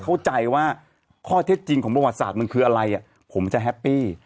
เข้าใจว่าข้อเท็จจริงของประวัติศาสตร์มันคืออะไรผมจะแฮปปี้